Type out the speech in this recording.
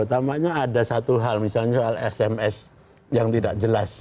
tampaknya ada satu hal misalnya soal sms yang tidak jelas